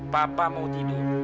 papa mau tidur